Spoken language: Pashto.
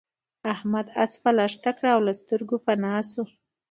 احمد اسپه لښته کړه او له سترګو پنا شو.